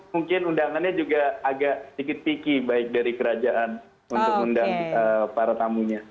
mungkin undangannya juga agak sedikit picky baik dari kerajaan untuk undang para tamunya